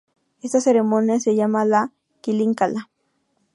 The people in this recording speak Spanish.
Esta ceremonia se llama la "Kilin-kala".